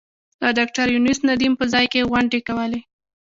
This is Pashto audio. د ډاکټر یونس ندیم په ځای کې غونډې کولې.